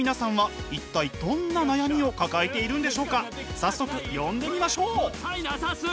早速呼んでみましょう！